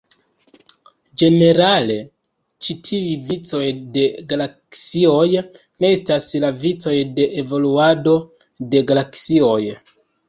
Ĝenerale ĉi tiuj vicoj de galaksioj "ne" estas la vicoj de evoluado de galaksioj.